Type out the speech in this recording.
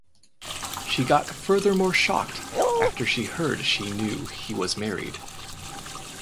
She got furthermore shocked after she heard she knew he was married.